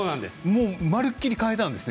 まるっきり変えたんですね。